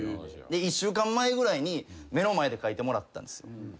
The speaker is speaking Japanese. １週間前ぐらいに目の前で書いてもらったんですよ。